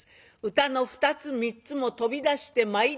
歌の２つ３つも飛び出してまいりました